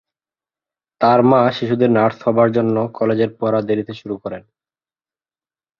তার মা শিশুদের নার্স হবার জন্য কলেজের পড়া দেরিতে শুরু করেন।